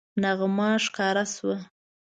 نغمه ښکاره شوه